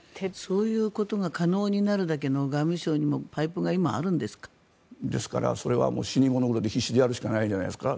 そういうことが可能になるだけの外務省にもパイプがですからそれは死に物狂いで必死にやるしかないんじゃないですか。